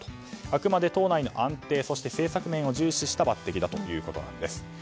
あくまで党内の安定政策面を重視した抜擢だということです。